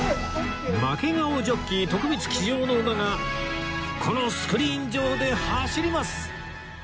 負け顔ジョッキー徳光騎乗の馬がこのスクリーン上で走ります！